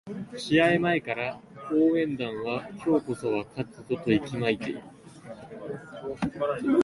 試合前から応援団は今日こそは勝つぞと息巻いている